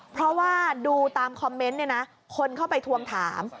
เพราะว่าดูตามคอมเมนต์เนี่ยนะคนเข้าไปทวงถาม